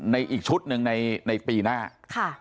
อีกชุดหนึ่งในในปีหน้าค่ะ